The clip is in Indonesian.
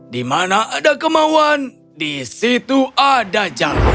di mana ada kemauan di situ ada jalan